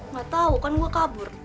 gatau kan gua kabur